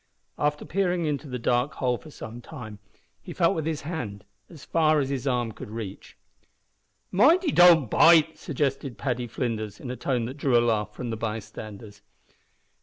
After peering into the dark hole for some time he felt with his hand as far as his arm could reach. "Mind he don't bite!" suggested Paddy Flinders, in a tone that drew a laugh from the by standers.